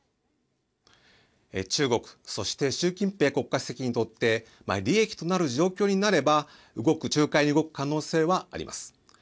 中国そして習近平国家主席にとって利益となる状況になれば仲介に動く可能性はあります。